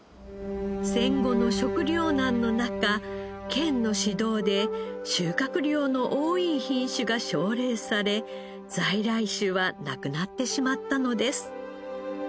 戦後の食糧難の中県の指導で収穫量の多い品種が奨励され在来種はなくなってしまったのです。